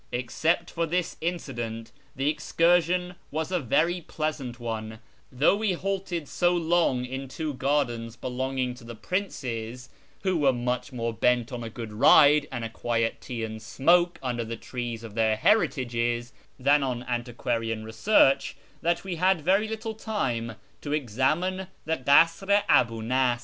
Except for this incident the excursion was a very pleasant )ne, though we halted so long in two gardens belonging to the 276 A YEAR AMONGST THE PERSIANS Princes (who were much more bent on a good ride, and a qnict tea and smoke under the trees of their lieritages, than on antiquarian research) that \vc had very little time lell to examine the Kasr i Abii Nasr.